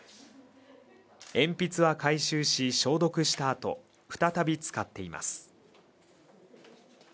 鉛筆は回収し消毒したあと再び使っています